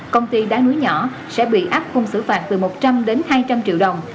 công ty đá núi nhỏ sẽ bị áp khung xử phạt từ một trăm linh đến hai trăm linh triệu đồng